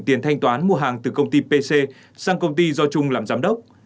tiền thanh toán mua hàng từ công ty pc sang công ty do trung làm giám đốc